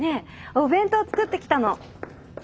お弁当作ってきたの。